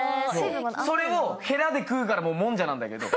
それをへらで食うからもうもんじゃなんだけど。